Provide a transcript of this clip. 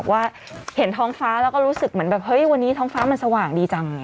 ว่าเห็นท้องฟ้าแล้วก็รู้สึกเหมือนแบบเฮ้ยวันนี้ท้องฟ้ามันสว่างดีจัง